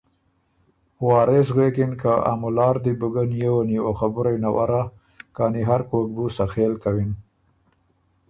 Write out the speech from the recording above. وارث غوېکِن که ا مُلا ر دی بو ګۀ نیووه نیووه خبُرئ نورّا کانی هرکوک بُو سخېل کوِن